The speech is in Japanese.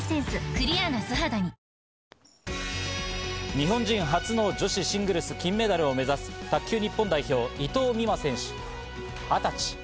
日本人初の女子シングルス金メダルを目指す、卓球日本代表・伊藤美誠選手、２０歳。